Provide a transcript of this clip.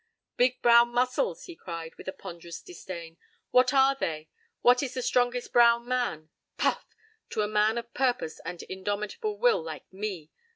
p> "Big brown muscles!" he cried, with a ponderous disdain. "What are they? What is the strongest brown man? Puff! To a man of purpose and indomitable will like me!